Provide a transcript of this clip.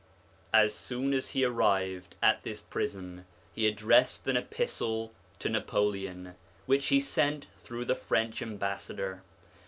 As soon as he arrived at this prison he addressed an epistle to Napoleon, 1 which he sent through the French ambassador.